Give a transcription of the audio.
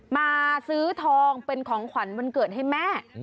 มาซื้อทองเป็นของขวัญวันเกิดให้แม่